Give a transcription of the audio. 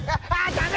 ダメ！